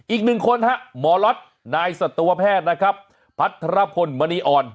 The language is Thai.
อีกหนึ่งคนฮะหมอล็อตนายสัตวแพทย์นะครับพัทรพลมณีอ่อน